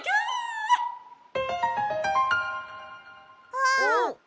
あっ。